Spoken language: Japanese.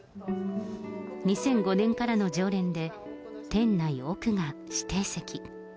２００５年からの常連で、店内奥が指定席。